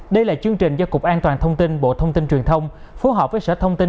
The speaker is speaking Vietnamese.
đây là chương trình do cục an toàn thông tin bộ thông tin truyền thông phối hợp với sở thông tin